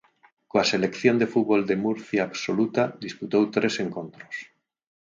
Coa Selección de fútbol de Murcia absoluta disputou tres encontros.